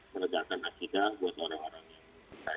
merejakan akhidah buat orang orang yang mencintai